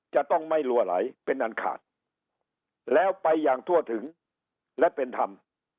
จะต้องไม่ลัวไหลเป็นอันขาดแล้วไปอย่างทั่วถึงและเป็นธรรม